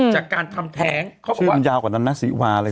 จากการทำแท้งเขาบอกว่าชื่นยาวกว่านั้นนะศิวาเลย